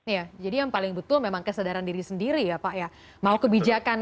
ya jadi yang paling betul memang kesadaran diri sendiri ya pak